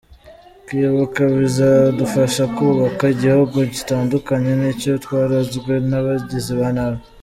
Kwibuka bizadufasha kubaka igihugu gitandukanye n’icyo twarazwe n’abagizi ba nabi.